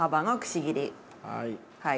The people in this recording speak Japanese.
はい。